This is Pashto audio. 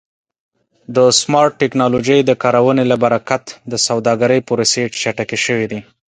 د سمارټ ټکنالوژۍ د کارونې له برکت د سوداګرۍ پروسې چټکې شوې.